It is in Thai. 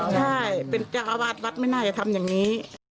ใช่เป็นเจ้าอาวาสวัดไม่น่าจะทำอย่างนี้